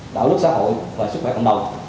đạo đức xã hội và sức khỏe cộng đồng